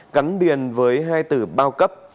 gắn điền với hai từ bao cấp